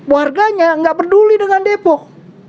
warganya nggak peduli dengan depok